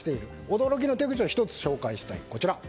驚きの手口を１つ紹介したい。